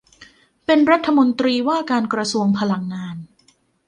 เป็นรัฐมนตรีว่าการกระทรวงพลังงาน